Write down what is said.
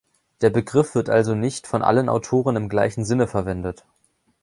Der Begriff wird also nicht von allen Autoren im gleichen Sinne verwendet.